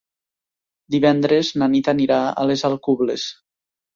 Divendres na Nit anirà a les Alcubles.